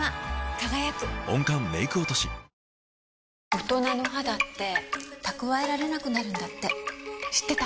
大人の肌って蓄えられなくなるんだって知ってた？